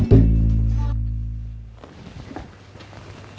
ada liburnya tuh kalau tanggal merah